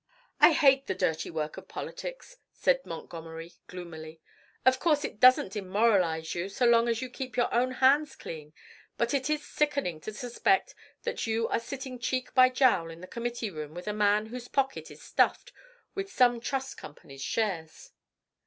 "I hate the dirty work of politics," said Montgomery, gloomily. "Of course it doesn't demoralize you so long as you keep your own hands clean, but it is sickening to suspect that you are sitting cheek by jowl in the Committee Room with a man whose pocket is stuffed with some Trust Company's shares."